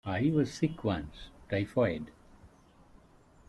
I was sick once -- typhoid.